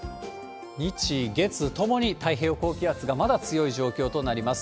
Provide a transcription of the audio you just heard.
日、月ともに太平洋高気圧がまだ強い状況となります。